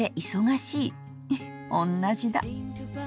フッおんなじだ。